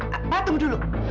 pak tunggu dulu